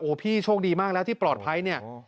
พี่โชคดีมากแล้วที่ปลอดภัยเนี่ย